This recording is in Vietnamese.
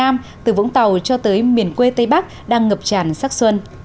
một cho tới miền quê tây bắc đang ngập tràn sắc xuân